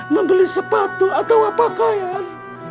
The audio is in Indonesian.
membeli sepatu atau pakaian